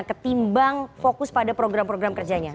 ketimbang fokus pada program program kerjanya